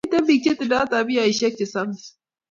Miten pik che tindo tabioshek che samis